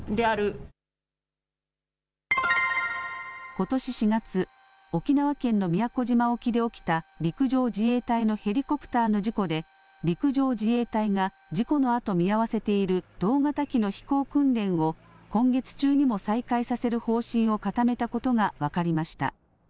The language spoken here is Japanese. ことし４月、沖縄県の宮古島沖で起きた陸上自衛隊のヘリコプターの事故で、陸上自衛隊が事故のあと、見合わせている同型機の飛行訓練を今月中にも再開させる方針を固めたことが分かりました。